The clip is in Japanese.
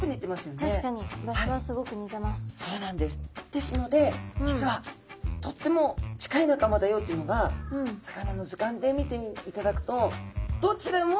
ですので実はとっても近い仲間だよっていうのが魚の図鑑で見ていただくとどちらも。